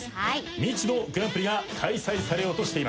未知のグランプリが開催されようとしています。